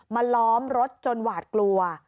ล้อมรถจนหวาดกลัว